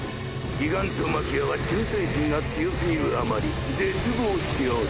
ギガントマキアは忠誠心が強過ぎるあまり絶望しておる。